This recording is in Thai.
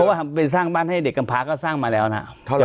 ว่าทำเป็นสร้างบ้านให้เด็กกำพาก็สร้างมาแล้วนะ